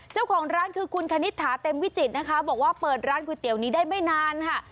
เจ้าของร้านคือคุณคณิตถาเต็มวิจิตรนะคะบอกว่าเปิดร้านก๋วยเตี๋ยวนี้ได้ไม่นานค่ะ